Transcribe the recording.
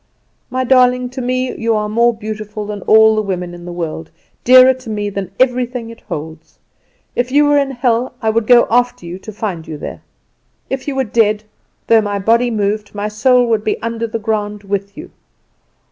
"My darling, to me you are more beautiful than all the women in the world; dearer to me than everything it holds. If you were in hell I would go after you to find you there! If you were dead, though my body moved, my soul would be under the ground with you.